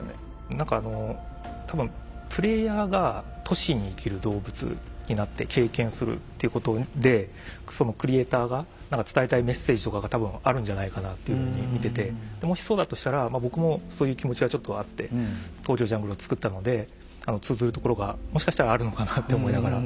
何かあの多分プレイヤーが都市に生きる動物になって経験するっていうことでそのクリエイターが何か伝えたいメッセージとかが多分あるんじゃないかなっていうふうに見ててもしそうだとしたら僕もそういう気持ちはちょっとあって「ＴＯＫＹＯＪＵＮＧＬＥ」を作ったので通ずるところがもしかしたらあるのかなって思いながら。